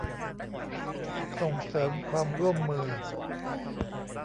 ส่งเสริมความร่วมมือ